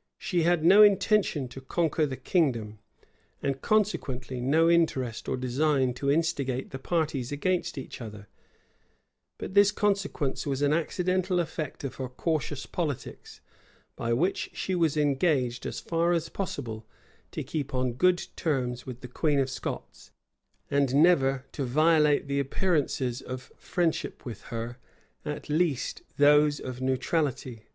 [] She had no intention to conquer the kingdom, and consequently no interest or design to instigate the parties against each other; but this consequence was an accidental effect of her cautious politics, by which she was engaged, as far as possible, to keep on good terms with the queen of Scots, and never to violate the appearances of friendship with her, at least those of neutrality.